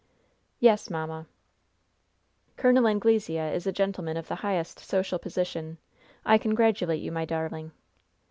"Yes, mamma." "Col. Anglesea is a gentleman of the highest social position. I congratulate you, my darling."